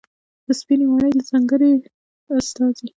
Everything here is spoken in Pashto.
د سپینې ماڼۍ له ځانګړې استازي